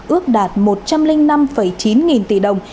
ước đạt một trăm linh năm chín nghìn tỷ đồng